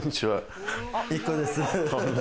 ＩＫＫＯです。